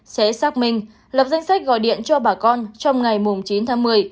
sẽ xác minh lập danh sách gọi điện cho bà con trong ngày chín tháng một mươi